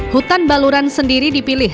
hutan baluran sendiri dipilih